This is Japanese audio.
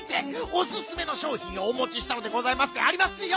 おすすめのしょうひんをおもちしたのでございますでありますよ！」。